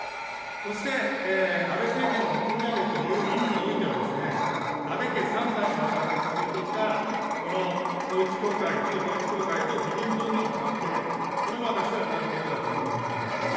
そして、安倍政権の置き土産という意味においては、安倍家３代にわたって続いてきたこの統一教会、旧統一教会と自民党との関係、これも私は同じことだというふうに思っています。